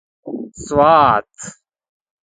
سوات